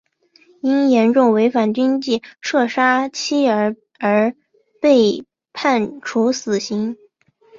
因严重违反军纪射杀妻儿而被判处死刑。